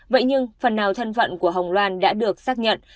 vậy nhưng phần nào thân vận của hồng loan đã được xác nhận